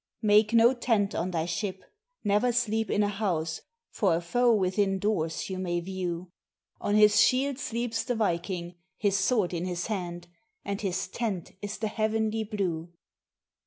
"Make no tent on thy ship, never sleep in a house, for a foe within doors you may view; On his shield sleeps the viking; his sword in his hand, and his tent is the heavenly blue.